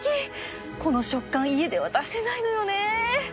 この食感家では出せないのよね